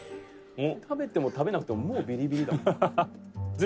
「食べても食べなくてももうビリビリだもん」